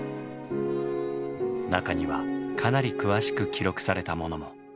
中にはかなり詳しく記録されたものも。